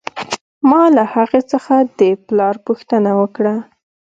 ما له هغې څخه د پلار پوښتنه وکړه